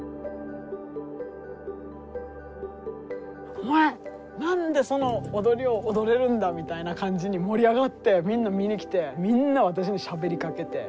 「お前何でその踊りを踊れるんだ？」みたいな感じに盛り上がってみんな見に来てみんな私にしゃべりかけて。